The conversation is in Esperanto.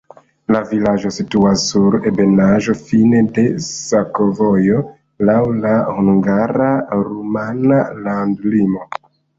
La vilaĝo situas sur ebenaĵo, fine de sakovojo, laŭ la hungara-rumana landlimo.